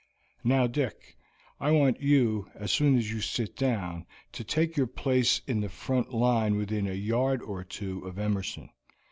"Now, Dick, I want you, as soon as you sit down, to take your place in the front line within a yard or two of Emerson.